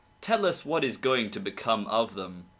Tell us what is going to become of them?"